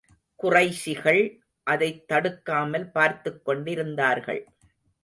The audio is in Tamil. குறைஷிகள் அதைத் தடுக்காமல் பார்த்துக் கொண்டிருந்தார்கள்.